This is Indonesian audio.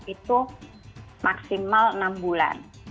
itu maksimal enam bulan